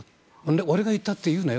俺が言ったって言うなよ